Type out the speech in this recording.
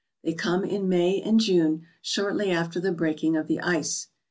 They come in May and June, shortly after the breaking of the ice.